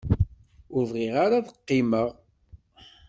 Ur bɣiɣ ara ad qqimeɣ.